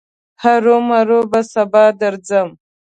هرو مرو به سبا درځم.